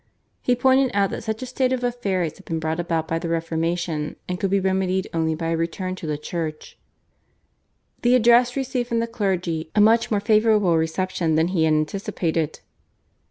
He pointed out that such a state of affairs had been brought about by the Reformation and could be remedied only by a return to the Church. The address received from the clergy a much more favourable reception than he had anticipated.